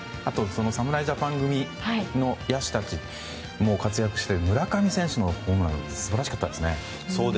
侍ジャパン組の野手たちも活躍している村上選手のホームラン素晴らしかったですね。